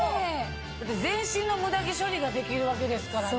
だって全身のムダ毛処理ができるわけですからね。